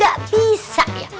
gak bisa ya